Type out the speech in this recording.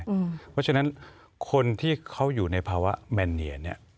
เพราะฉะนั้นคนที่เขาอยู่ในภาวะแมนเนียเนี่ย